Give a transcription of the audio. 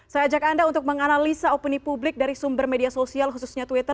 saya ajak anda untuk menganalisa opini publik dari sumber media sosial khususnya twitter